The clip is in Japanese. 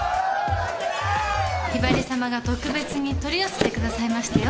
ひばりさまが特別に取り寄せてくださいましてよ。